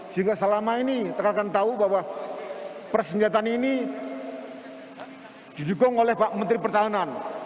sehingga selama ini tekankan tahu bahwa persenjataan ini didukung oleh pak menteri pertahanan